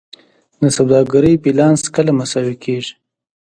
د سوداګرۍ بیلانس کله مساوي کیږي؟